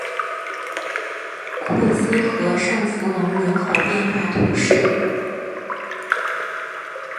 库兹和圣弗龙人口变化图示